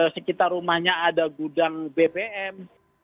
sekitar rumahnya ada gudang bbm